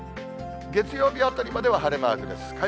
月曜日あたりまでは晴れマークです。